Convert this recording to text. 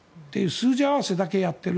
数字合わせだけやってる。